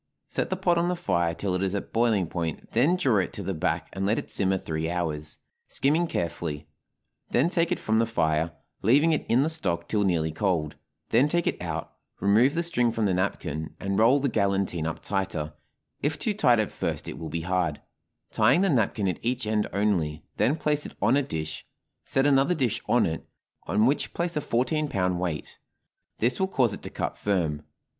Set the pot on the fire till it is at boiling point, then draw it to the back and let it simmer three hours, skimming carefully; then take it from the fire, leaving it in the stock till nearly cold; then take it out, remove the string from the napkin, and roll the galantine up tighter if too tight at first it will be hard tying the napkin at each end only; then place it on a dish, set another dish on it, on which place a fourteen pound weight; this will cause it to cut firm.